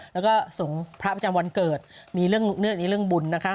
แล้วก็ส่งพระประจำวันเกิดมีเรื่องในเรื่องบุญนะคะ